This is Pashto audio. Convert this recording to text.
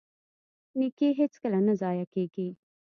نیکي هیڅکله نه ضایع کیږي.